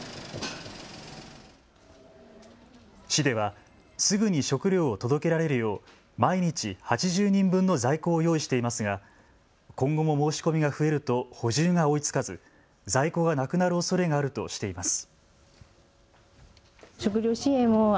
市ではすぐに食料を届けられるよう毎日８０人分の在庫を用意していますが今後も申し込みが増えると補充が追いつかず在庫がなくなるおそれがあるとしています。